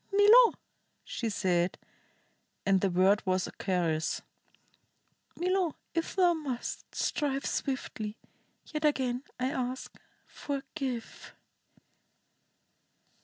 "Milo," she said, and the word was a caress, "Milo, if thou must, strike swiftly. Yet again I ask, forgive."